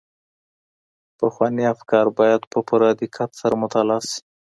پخواني افکار بايد په پوره دقت سره مطالعه سي.